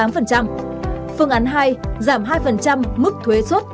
phương án hai giảm hai mức thuế xuất